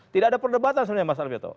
tidak ada perdebatan sebenarnya mas alvito